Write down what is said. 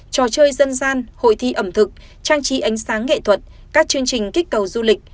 trò chơi dân gian hội thi ẩm thực trang trí ánh sáng nghệ thuật các chương trình kích cầu du lịch